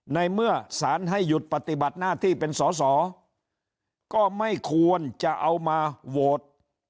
ในเมื่อสารให้หยุดปฏิบัติหน้าที่เป็นสอสอก็ไม่ควรจะเอามาโหวต